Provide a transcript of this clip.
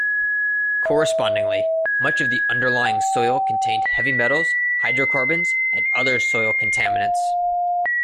Correspondingly much of the underlying soil contained heavy metals, hydrocarbons and other soil contaminants.